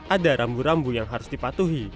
ada rambu rambu yang harus dipatuhi